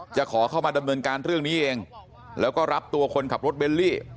ขอเข้ามาดำเนินการเรื่องนี้เองแล้วก็รับตัวคนขับรถเบลลี่